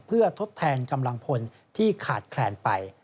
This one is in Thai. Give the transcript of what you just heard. เพื่อทดแทนกำลังพลที่ขาดแคลนไป